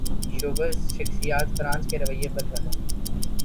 showbiz شخصیات France کے رویے پر برہم